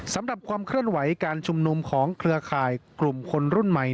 ความเคลื่อนไหวการชุมนุมของเครือข่ายกลุ่มคนรุ่นใหม่